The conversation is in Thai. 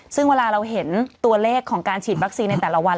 ซึ่งเวลาเราเห็นตัวเลขของการฉีดวัคซีนในแต่ละวัน